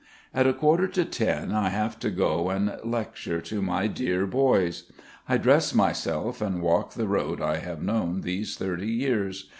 At a quarter to ten I have to go and lecture to my dear boys. I dress myself and walk the road I have known these thirty years.